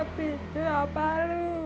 kepin dua baru